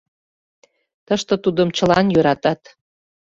Тыште тудым чылан йӧратат.